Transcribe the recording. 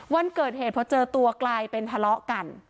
วันเกิดเหตุพอเจอตัวกลายเป็นทะเลาะกัน